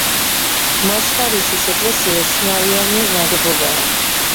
მაცხვარიშის ეკლესია ერთნავიანი ნაგებობაა.